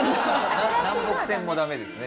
南北線もダメですね？